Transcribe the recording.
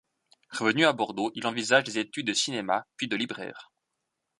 Revenu à Bordeaux, il envisage des études de cinéma, puis de libraire.